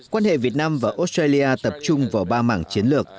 quan hệ việt nam và australia tập trung vào ba mảng chiến lược